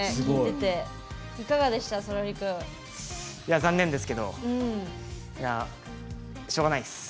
残念ですけどしょうがないです。